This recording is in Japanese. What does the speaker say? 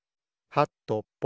はとぽ。